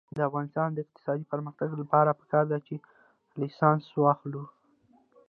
د افغانستان د اقتصادي پرمختګ لپاره پکار ده چې لایسنس واخلو.